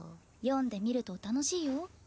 読んでみると楽しいよ。